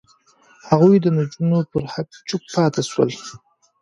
هغوی د نجونو پر حق چوپ پاتې شول.